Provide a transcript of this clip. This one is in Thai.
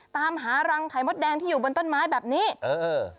ตามหารังไข่มดแดงที่อยู่บนต้นไม้แบบนี้เออ